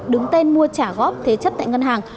đứng tên mua trả góp thế chấp tại ngân hàng